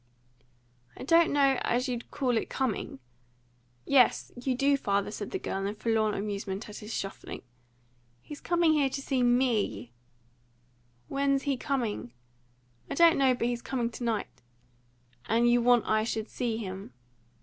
"I don't know as you'd call it COMING " "Yes, you do, father!" said the girl, in forlorn amusement at his shuffling. "He's coming here to see ME " "When's he coming?" "I don't know but he's coming to night." "And you want I should see him?"